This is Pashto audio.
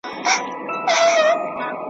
د حلوا به وي محتاجه د خیرات کاسو روزلی `